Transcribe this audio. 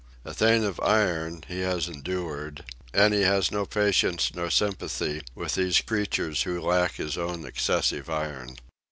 A thing of iron, he has endured; and he has no patience nor sympathy with these creatures who lack his own excessive iron.